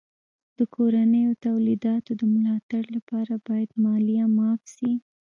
د کورنیو تولیداتو د ملا تړ لپاره باید مالیه معاف سي.